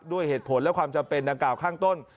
ด้วยเหตุผลและความจำเป็นดังกล่าวข้างต้น